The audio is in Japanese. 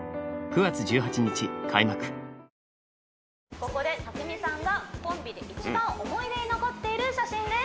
ここでたくみさんがコンビで一番思い出に残っている写真です